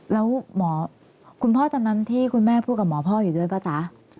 แล้วคุณพ่อตอนนั้นที่คุณแม่พูดกับหมอพ่ออยู่ด้วยป่ะจ๊ะ